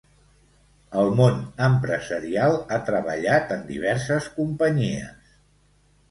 Al món empresarial ha treballat en diverses companyies.